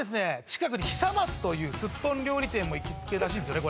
近くに久松というスッポン料理店も行きつけらしいんすよね